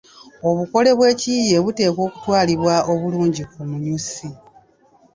Obukole bw’ekiyiiye buteekwa okutabirwa obulungi ku munyusi.